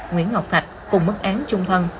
nguyễn ngọc thạch cùng mức án chung thân